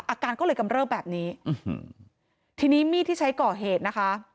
อาการก็เลยกำเริบแบบนี้ทีนี้มีดที่ใช้ก่อเหตุนะคะ